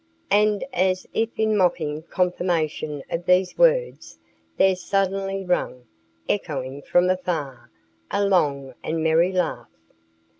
And as if in mocking confirmation of these words there suddenly rang, echoing from afar, a long and merry laugh.